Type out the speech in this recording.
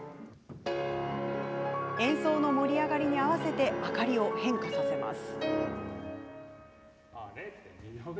演奏の盛り上がりに合わせて明かりを変化させます。